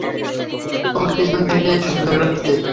ওকে পিছন দিক থেকেও সুন্দর লাগছে।